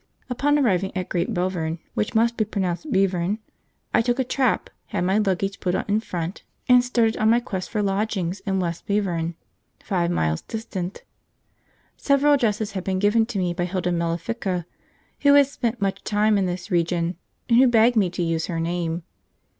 Upon arriving at Great Belvern (which must be pronounced 'Bevern') I took a trap, had my luggage put on in front, and start on my quest for lodgings in West Belvern, five miles distant. Several addresses had been given me by Hilda Mellifica, who has spent much time in this region, and who begged me to use her name.